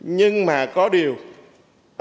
nhưng mà có điều ở đây là kế theo đó